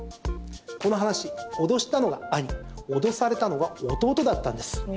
この話、脅したのが兄脅されたのが弟だったんです。